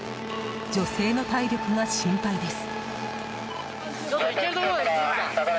女性の体力が心配です。